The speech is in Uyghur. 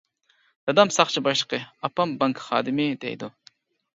دادام ساقچى باشلىقى، ئاپام بانكا خادىمى دەيدۇ.